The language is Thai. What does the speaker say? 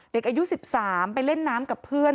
เด็กอายุ๑๓ไปเล่นน้ำกับเพื่อน